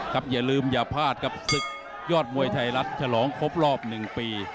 อย่าลืมอย่าพลาดกับศึกยอดมวยไทยรัฐฉลองครบรอบ๑ปี